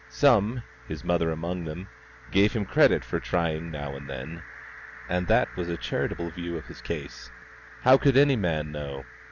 Some his mother among them gave him credit for trying now and then, and that was a charitable view of his case. How could any man know?